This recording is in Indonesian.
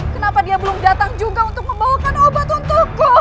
kenapa dia belum datang juga untuk membawakan obat untukku